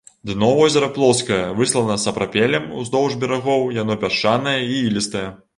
Дно возера плоскае, выслана сапрапелем, уздоўж берагоў яно пясчанае і ілістае.